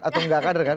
atau tidak kader kan